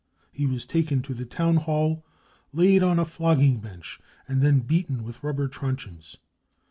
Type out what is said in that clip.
He was taken to the town hall, laid on a flogging bench, and then beaten with rubber truncheons.